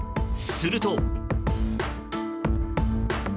すると。